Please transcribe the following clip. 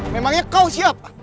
memangnya kau siapa